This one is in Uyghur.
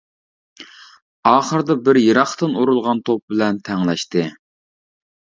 ئاخىردا بىر يىراقتىن ئۇرۇلغان توپ بىلەن تەڭلەشتى.